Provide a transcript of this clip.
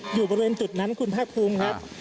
อยู่บริเวณจุดนั้นคุณพระคุณครับ